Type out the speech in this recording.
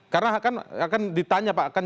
karena akan ditanya pak